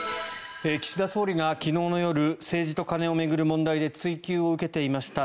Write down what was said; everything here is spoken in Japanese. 岸田総理が昨日の夜政治と金を巡る問題で追及を受けていました